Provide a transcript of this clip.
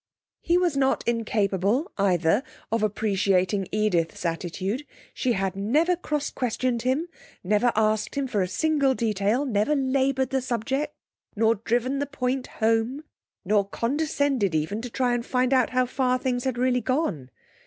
He was not incapable, either, of appreciating Edith's attitude. She had never cross questioned him, never asked him for a single detail, never laboured the subject, nor driven the point home, nor condescended even to try to find out how far things had really gone.